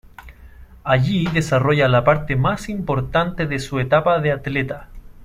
Allí desarrolla la parte más importante de su etapa de atleta.